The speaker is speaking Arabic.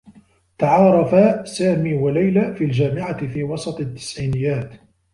تعارفا سامي و ليلى في الجامعة في وسط التّسعينيّات.